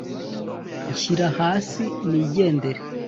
nshyira hasi nigendere”